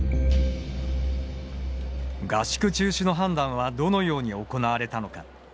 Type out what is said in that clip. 合宿中止の判断はどのように行われたのか。